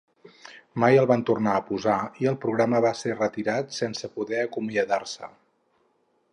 Mai el van tornar a posar i el programa va ser retirat sense poder acomiadar-se.